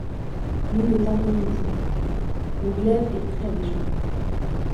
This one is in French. Nous ne tarderons point. Le glaive est prêt déjà